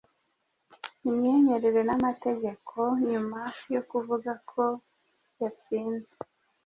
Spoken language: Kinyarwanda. ibyemewe n'amategeko" nyuma yo kuvuga ko yatsinze.